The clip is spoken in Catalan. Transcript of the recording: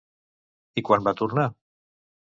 I quan va tornar?